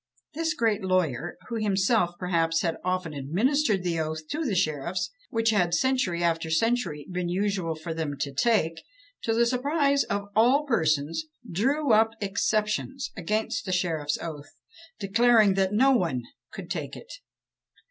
This great lawyer, who himself, perhaps, had often administered the oath to the sheriffs, which had, century after century, been usual for them to take, to the surprise of all persons drew up Exceptions against the Sheriff's Oath, declaring that no one could take it.